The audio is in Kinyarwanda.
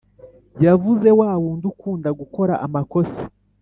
Yavuze wawundi ukunda gukora amakosa